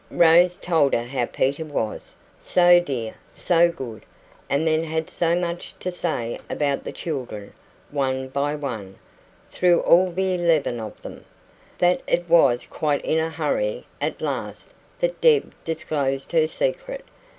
Rose told her how Peter was "so dear, so good" and then had so much to say about the children, one by one, through all the eleven of them, that it was quite in a hurry at last that Deb disclosed her secret.